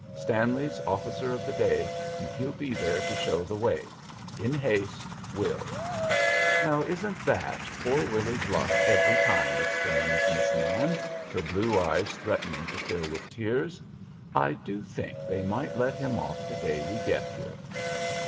Stanley's officer of the day, and he'll be there to show the way. In haste, WILL." "Now isn't that poor Willy's luck every time!" exclaims Miss Nan, her blue eyes threatening to fill with tears. "I do think they might let him off the day we get here."